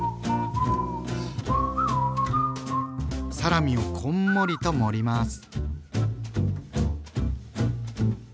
サラミをこんもりと盛ります。